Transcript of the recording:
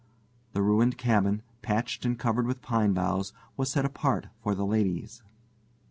The ruined cabin, patched and covered with pine boughs, was set apart for the ladies.